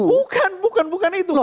bukan bukan bukan itu